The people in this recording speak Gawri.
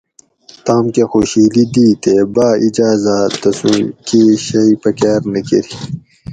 تام کہ خوشیلی دی تے باۤاِجاۤزاۤ تسوں کی شئی پکاۤر نہ کۤری